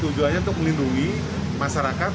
tujuannya untuk melindungi masyarakat